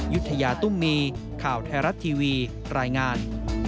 ยุธยาตุ้มมีข่าวไทยรัฐทีวีรายงาน